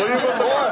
おい！